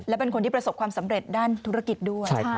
และเป็นคนที่ประสบความสำเร็จด้านธุรกิจด้วย